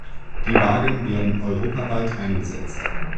Die Wagen werden europaweit eingesetzt.